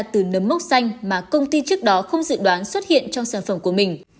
từ nấm mốc xanh mà công ty trước đó không dự đoán xuất hiện trong sản phẩm của mình